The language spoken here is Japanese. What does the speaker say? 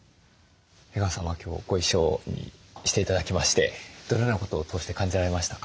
江川さんは今日ご一緒して頂きましてどのようなことを通して感じられましたか？